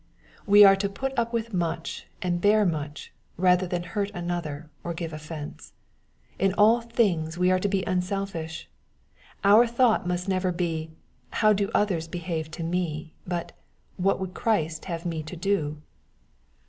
We are to put up with much and bear much, rather than hurt another, or give offence. In all things we are to be unselfish. Our thought must never be, " how do others behave to me ?" but " what would Christ have me to do